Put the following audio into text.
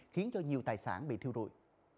khiến cho nhiều tài sản bị thiêu rụi